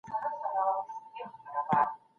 بهر وتل لا هم ګټه لري.